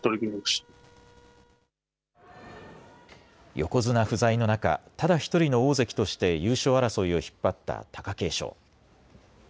横綱不在の中、ただ１人の大関として優勝争いを引っ張った貴景勝。